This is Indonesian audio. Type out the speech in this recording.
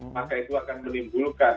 maka itu akan menimbulkan